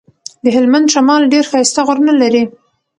د هلمند شمال ډير ښايسته غرونه لري.